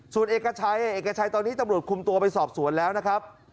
ส่วนเอกชัยเอกชัยตอนนี้ตำรวจคุมตัวไปสอบสวนแล้วนะครับ